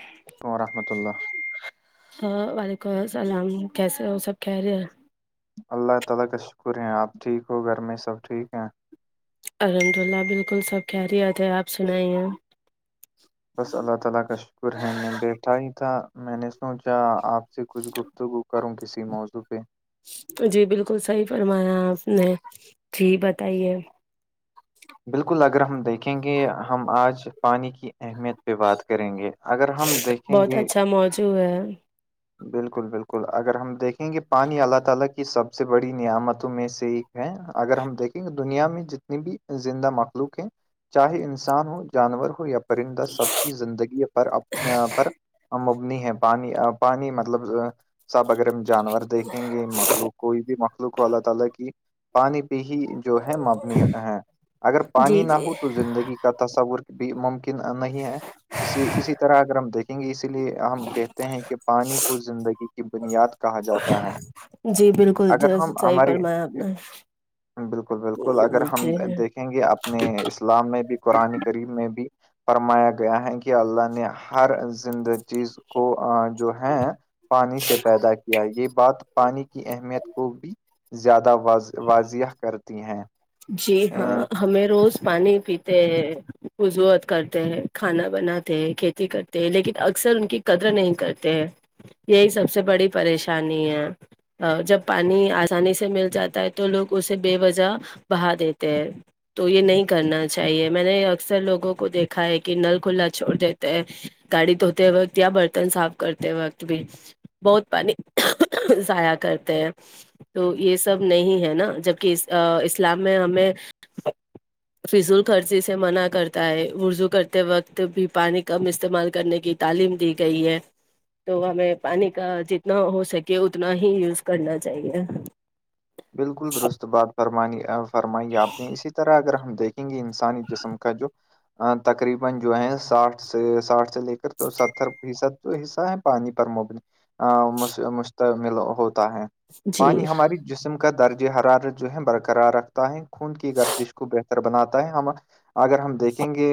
ہاں و رحمتۃ اللہ ہ وعلیکم السلام کیسے ہو سب کہ رہے اللہ تعالی کا شکر ہے آپ ٹھیک ہو گھر میں سب ٹھیک ہیں الحمد للہ بالکل سب کیا ریات ہے آپ سنائی ہیں بس اللہ تعالی کاش شکر ہے میں بیٹھا ہی تھا میں نے سوچا آپ سے کچھ گفتگو کروں کسی موضوع پہ جی بالکل صحیح فرمایا آپ نے جی بتائیے بالکل اگر ہم دیکھیں گے ہم آج پانی کی اہمیت پہ بات کریں گے اگر ہم دیکھیں بہت گے اچھا موضوع ہے بالکل بالکل اگر ہم دیکھیں گے پانی اللہ تعالی کی سب سے بڑی نعمتوں میں سے ہیں اگر ہم دیکھیں گے دنیا میں جتنی بھی زندہ مخلوق ہیں چاہے انسان ہو جانور ہو یا پرندہ سب کی زندگی پر پر مبنی ہے پانی پانی مطلب سب اگر ہم جانور دیکھیں گے مخلوق کوئی بھی مخلوق ہو اللہ تعالی کی پانی پہ ہی جو ہے مبنی ہے اگر پانی جی نہ جی ہو تو زندگی کا تصور بھی ممکن نہیں ہے اسی اسی طرح اگر ہم دیکھیں گے اسی لیے ہم کہتے ہیں کہ پانی کو زندگی کی بنیاد کہا جاتا ہے جی بالکل جی اگر ہم صحیح ہماری فرمایا آپ نے بالکل بالکل اگر ہم جی دیکھ دیں گے اپنے اسلام میں بھی قرآن قریب میں بھی فرمایا گیا ہے کہ اللہ نے نے ہر زندہ چیز کو جو جو ہے پانی سے پیدا کیا یہ بات پانی کی اہمیت کو بھی زیادہ وض واضح کرتی ہیں جی ہاں ہمیں روز پانی پیتے ہیں وضوت کرتے ہیں کھانا بناتے ہیں کھیتی کرتے ہیں لیکن اکثر ان کی قدر نہیں کرتے ہیں یہی سب سے بڑی پریشانی ہے جب پانی آسانی سے مل جاتا ہے تو لوگ اسے بے وجہ بہا دیتے ہیں تو یہ نہیں کرنا چاہیے میں نے اکثر لوگوں کو دیکھا ہے کہ نل کھلا چھوڑ دیتے ہے گاڑی دھوتے وقت یا برتن صاف کرتے وقت بھی بہت پانی ضیاء کرتے ہیں تو یہ سب نہیں ہے نا جبکہ اسلام میں ہمیں فضول خرچی سے منع کرتا ہے وضوع کرتے وقت بھی پانی کم استعمال کرنے کی تعلیم دی گئی ہے تو ہمیں پانی کا جتنا ہو سکے اتنا ہی یوز کرنا چاہیے بالکل درست بات فرم فرمائی آپ نے اسی طرح اگر ہم دیکھیں انسانی جسم کا جو تقریبن جو ہے ساٹھ سے ساٹھ سے لے کر تو ستر فیصد جو حصہ ہے پانی پر مب مشتمل ہوتا ہے جی پانی ہماری جسم کا درج حرارت جو ہے برقرار رکھتا ہے خون کی گردش کو بہتر بناتا ہے ہم اگر ہم دیکھیں گے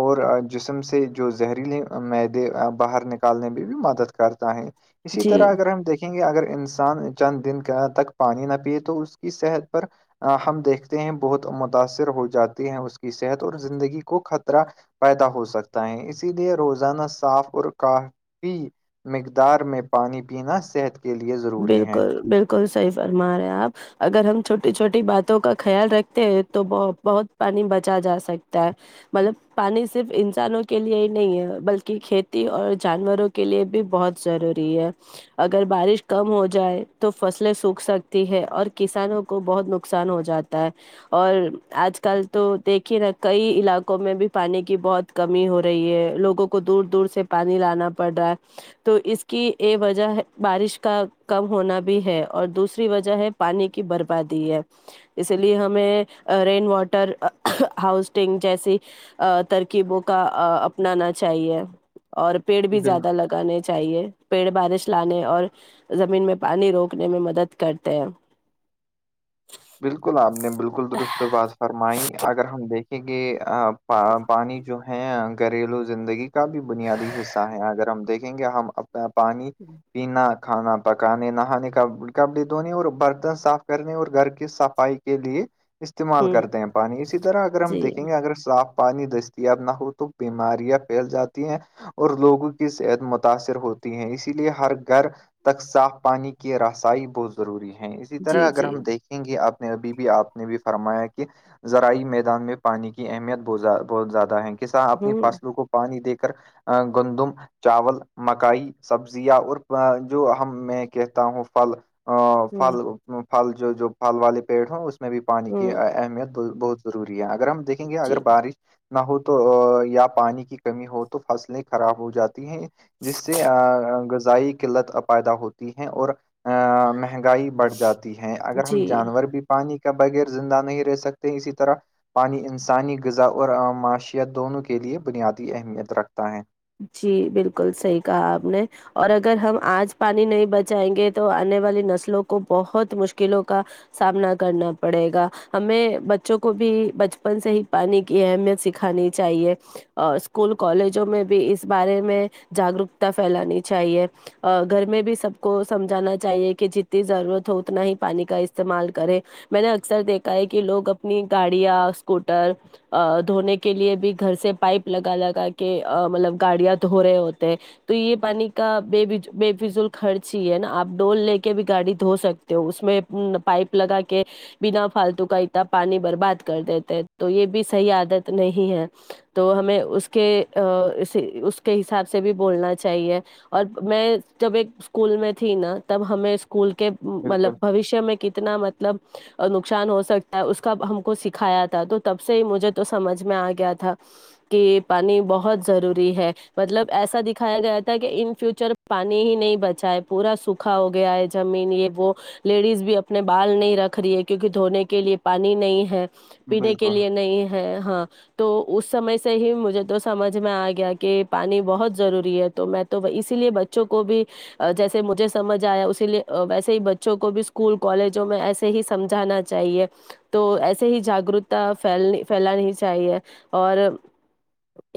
اور جسم سے جو زہریلے معیدے باہر نک پالنے میں بھی مدد کرتا ہے اسی جی طرح اگر ہم دیکھیں گے اگر انسان چند دن کا تک پانی نہ پیئے تو اس کی صحت پر ہم دیکھتے ہیں بہت متاثر ہو جاتی ہیں اس کی صحت اور زندگی کو خطرہ پیدا ہو سکتا ہے اسی لیے روزانہ صاف اور کافی مقدار میں پانی پینا صحت کے لیے ضروری ہے بالکل بالکل صحیح فرما رہے آپ اگر ہم چھوٹی چھوٹی باتوں کا خیال رکھتے ہیں تو ب بہت پانی بچا جا سکتا ہے مطلب پانی صرف انسانوں کے لیے ہی نہیں ہے بلکہ کھیتی اور جانوروں کے لیے بھی بہت ضروری ہے اگر بارش کم ہو جائے تو فصلیں سوکھ سکتی ہے اور کسانوں کو بہت نقصان ہو جاتا ہے اور آج کل تو دیکھیے نا کئی علاقوں میں بھی پانی کی بہت کمی ہو رہی ہے لوگوں کو دور دور سے پانی لانا پڑ رہا ہے تو اس کی یہ وجہ ہے بارش کا کم ہونا بھی ہے اور دوسری وجہ ہے پانی کی بربادی ہے اسی لیے ہمیں رین واٹر ہاؤسٹنگ جیسی ترکیبوں کا اپنانا چاہیے اور پیڑ بھی بالکل زیادہ لگانے چاہیے پیڑ بارش لانے اور زمین میں پانی روکنے میں مدد کرتے ہیں بالکل آپ نے بالکل درست بات فرمائی اگر ہم دیکھیں گے پانی جو ہے گھریلو زندگی کا بھی بنیادی حصہ ہے اگر ہم دیکھیں گے ہم اپنا پانی پینا کھانا پکانے نہانے کا کپڑے دھونے اور برتن صاف کرنے اور گھر صفائی کے لیے استعمال ہوں کرتے ہیں پانی اسی طرح اگر ہم جی دیکھیں گے اگر صاف پانی دستیاب نہ ہو تو بیماریاں پھیل جاتی ہیں اور لوگوں کی صحت متاثر ہوتی ہے اسی لیے ہر گھر تک صاف پانی کی رسائی بہت ضروری ہے اسی طرح جی اگر جی ہم دیکھیں یں گی آپ نے ابھی بھی آپ نے بھی فرمایا کہ زاری میدان میں پانی کی اہمیت ب بہت زیادہ ہے کسان اپنی ہوں فصلوں کو پانی دے کر گندم چاول مکائی سبزیاں اور جو ہم میں کہتا ہوں پھل ا پھل ہ پھل جو جو پھل والے پیڑ ہو اس میں بھی پانی کی ہ اہمیت بہت ضروری ہے اگر ہم دیکیں گے اگر جی بارش نہ ہو تو یا پانی کی کمی ہو تو فصلیں خراب ہو جاتی ہیں جس سے آ غذائی قلت آ پیدا ہوتی ہے اور آ مہنگائی بڑھ جاتی ہے اگر ہم جی جانور بھی پانی کے بغیر زندہ نہیں رہ سکتے اسی طرح پانی انسانی غذا اور معاشت دونوں کے لیئے بنیادی اہمیت رکھتا ہے جی بالکل صحیح کہا آپ نے اور اگر ہم آج پانی نہیں بچائیں گے تو آنے والی نسلوں کو بہت مشکلوں کا سامنا کرنا پڑے گا ہمیں بچوں کو بھی بچپن سے ہی پانی کی اہمیت سک کھانی چاہیے اور اسکول کالجوں میں بھی اس بارے میں جاگروکتا پھیلانی چاہیے گھر میں بھی سب کو سمجھانا چاہیے کی جتنی ضرورت ہو اتنا ہی پانی کا استعمال کرے میں نے اکثر دیکھا ہے کی لوگ اپنی گاڑیاں اسکوٹر آ دھونے کے لیے بھی گھر سے پائپ لگا لگا کے مطلب گاڑیاں دھو رہے ہوتے تو یے پانی کا بے فضو بے فضول خرچ ہی ہے نا آپ ڈول لے کے بھی گاڑی دھو سکتے اس میں پائپ لگا کے بنا فالتو کا اتنا پانی برباد کر دیتے تو یے بھی صحیح عادت نہیں ہے تو ہمیں اس کے آ اس کے حساب سے بھی بولنا چاہیے اور میں جب ایک اسکول میں تھی نا تب ہمیں اسکول کے مطلب بالکل بوشیہ میں کت تنا مطلب اور نقصان ہو سکتا ہے اس کا ہم کو سکھایا تھا تو تب سے مجھے تو سمجھ میں آ گیا تھا کہ پانی بہ ہت ضروری ہے مطلب ایسا دکھایا گیا تھا کہ ان فیوچر پانی ہی نہیں بچائے پورا سوکھا ہو گیا ہے زمین یے وہ لیڈیز بھی اپنے بال نہیں رکھ رہی ہے کیونکی دھونے کے لیے پانی نہیں ہے پینے کے بالکل لیے نہیں ہے ہاں تو اس سمے سے ہی مجھے تو سمجھ میں آ گیا کہ پانی بہت ضروری ہے تو میں تو اسی لیے بچوں کو بھی جیسے مجھے سمجھ آیا اسی لیے ویسے ہی بچوں کو بھی اسکول کالجوں میں ایسے ہی سمجھانا چاہیے تو ایسے ہی جاگروکتا پھیلنی پھیلانی چاہیے اور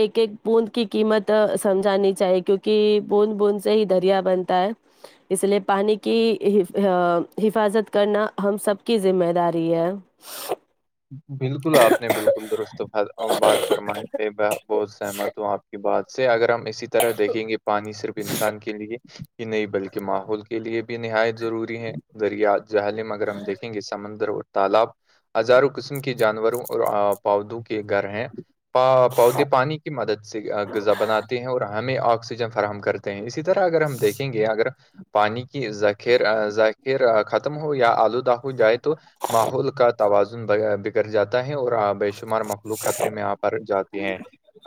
ایک ایک بوند کی قیمت سمجھانی چاہیے کیونکی بوند بوند سے ہی دریا بنتا ہے اس لیے پانی کی حفاظت کرنا ہم سب کی ذمہ داری ہے بالکل آپ نے بالکل درست فر بات فرمائی ہے میں بہت سہمت ہوں آپ کے بات سے اگر ہم اسی طرح دیکھیں گے پانی صرف انسان کے لیے ہی نہیں بلکی ماحول کےلیے بھی نہایت ضروری ہے دریا جہلم اگر ہم دیکیں گے سمندر اور تالاب ہزاروں قسم کے جانوروں اور پودوں کے گھر ہیں پودے پانی کی مدد سے غذا بناتے ہیں اور ہمیں آکسیجن فراہم کر تے ہے اسی طرح اگر ہم دیکھیں گے اگر پانی کی ذخیر ذ خیرا ختم ہو یا آلودہ ہو جائے تو ماحول کا تواز زیا بگڑ جاتا ہے اور آ بے شمار مخلوق خطرے میں آپر جاتے ہیں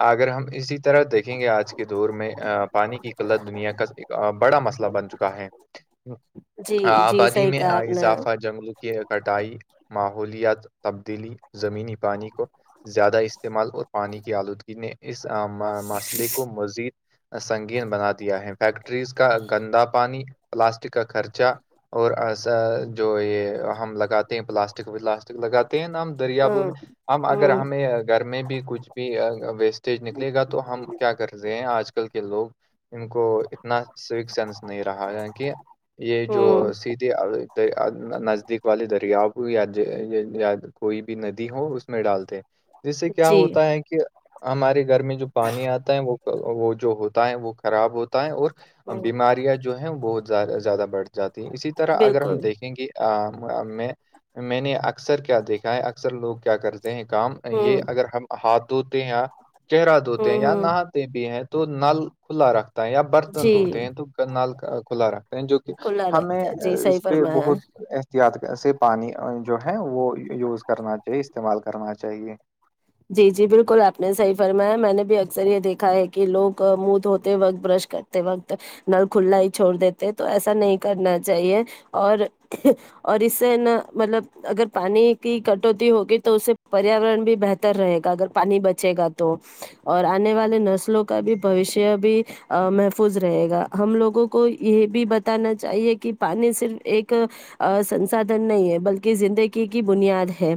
اگر ہم اسی طرح دیکھیں گے آج کے دور میں پانی کی قلت دنیا کا بڑا مسئلہ بن چکا ہے جی جی آبادی صحیح میں کہا آپ نے اضافہ جنگلوں کی کٹائی ماحولیات تبدیلی زمینی پانی کو زیادہ است تعمال اور پانی کی آلودگی میں اس آما مسئلے کو مزید سنگین بنا دیا ہے فیکٹریز کا گندا پانی پلاسٹک کا خرچہ اور ایسا جو یے ہم لگاتے ہیں پلاسٹک ولاس ٹک لگاتے ہیں نا ہم دریابوں ہوں اب اگر ہوں ہمیں گھر میں بھی کچھ بھی ویسٹیج نکلے گا تو ہم کیا کر تے ہیں آج کل کے لوگ ان کو اتنا سوک سینس نہیں رہا ہے کہ یے جو ہوں سیدھے نزدیک والی دریاؤ کو یا جو ہے یا کوئی بھی ندی ہو اس میں ڈالتے جس سے کیا جی ہوتا ہے کہ ہمارے گھر میں جو پانی آتا ہے وہ وہ جو ہوتا ہے وہ خراب ہوتا ہے اور ہوں بیماریاں جو ہیں بہت زیادہ بڑھ جاتی ہیں اسی طرح اگر بالکل ہم دیکھیں گے ا میں میں نے اکثر کیا دیکھا ہے اکثر لوگ کیا کرتے کام یہ ہوں اگر ہم ہاتھ دھوتے ہیں یا چہرہ دھوتے ہوں ہیں یا نہ ہوں بھی ہیں تو نل کھلا رکھتا ہے یا برتن جی دھوتے ہیں تو نل کھلا رکھتا ہے جو کھلا ہمیں رکھتے ہیں، جی صحیح اس پہ فرمایا بہت احتیاط سے پانی جو ہے وہ یوز کرنا چاہیے استعمال کرنا چاہیے جی جی بالکل آپ نے صحیح فرمایا میں نے بھی اکثر یہ دیکھا ہے کہ لوگ مہ دھوتے وقت برش کرتے وقت نل کلا ہی چھوڑ دیتے تو ایسا نہیں کرنا چاہیے اور اور اس سے نا مطلب اگر پانی کی کٹوتی ہوگی تو اس سے پریاورن بھی بہتر ر رہے گا اگر پانی بچے گا تو اور آنے والے نسلوں کا بھی بھویشے بھی محفوظ رہے گا ہم لوگوں کو یہ بھی بتانا چاہیے کہ پانی صرف ایک ا سنساادھن نہیں ہے بلکہ زندگی کی بنیاد ہے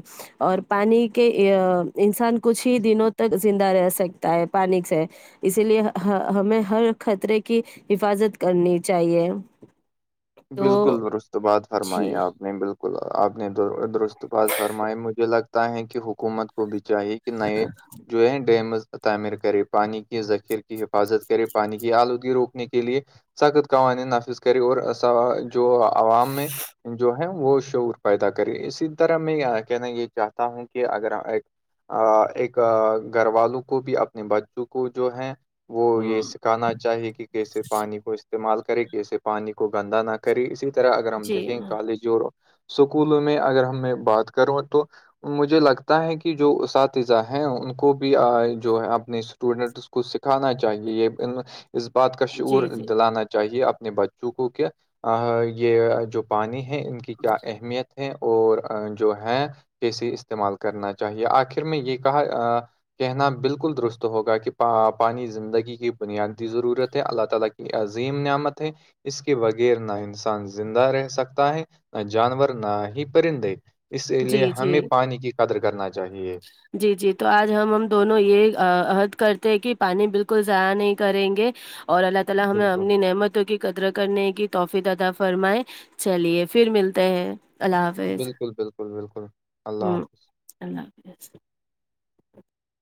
اور پانی کے ا انسان کچھ ہی دنوں تک زندہ رہ سکتا ہے پانی سے اسی لیے ہا ہمیں ہر خطرے کی حفاظت کرنی چاہیے بالکل تو درست بات فرمائی جی آپ نے بالکل آپ نے درست بات فرمائی مجھے لگتا ہے کہ حکومت گوبھی چاہیے کہ نہیں یہ جو ہے ڈیمز تعمیر کرے پانی کے ذخیر کی حفاظت کرے پانی کی آلودگی روکنے کے لیے سخت قوانین نافذ کرے اور جو عوام میں جو وہ شعور پیدا کرے اسی طرح میں کہنا یہ چاہتا ہوں کہ اگر ا ایک گھر والوں کو بھی اپنے بچوں کو جو ہے وہ یہ ہ سکھانا چاہی کہ کیسے پانی کو استعمال کرے کیسے پانی کو گندہ نہ کرے اسی طرح اگر ہم جی دیکھیں کالج اور اسکولوں میں اگر ہم میں بات کروں تو مجھے لگتا ہے کہ جو اساتذہ ہیں ان کو بھی جو ہے اپنے اسٹوڈنٹ کو سکھانا چاہیے یہ اس بات کا شعور جی جی دلانا چاہیے اپنے بچوں چونکو کہ یہ جو پانی ہے ان کی کیا اہمیت ہے اور جو ہے جے استعمال کرنا چاہیے آخر میں یہ کہا کہنا بالکل درست ہوگا کہ پانی زندگی کی بنیادی ضرورت ہے اللہ تالی کی عظیم نعمت ہے اس کے بغیر نہ انسان زندہ رہ سکتا ہے نہ جانور نہ ہی پرندے اسی جی لیے ہمیں جی پانی کی قدر کرنا چاہیے جی جی تو آج ہم ہم دونوں یہ احد کرتے ہیں کہ پانی بالکل ضائع نہیں کریں گے اور اللہ تالی ہمیں بالکل اپنی نعمت کی قدر کرنے کی توفیق اتا فرمائے چلیے پھر ملتے ہیں اللہ حافظ بالکل بالکل بالکل اللہ ہ حافظ اللہ حافظ